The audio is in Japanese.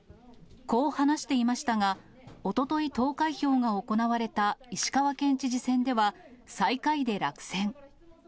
こう話していましたが、おととい投開票が行われた石川県知事選では、最下位で落選。